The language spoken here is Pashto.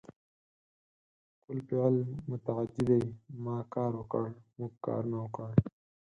کول فعل متعدي دی ما کار وکړ ، موږ کارونه وکړ